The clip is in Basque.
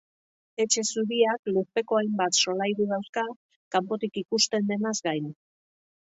Etxe Zuriak lurpeko hainbat solairu dauzka, kanpotik ikusten denaz gain.